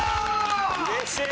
うれしい！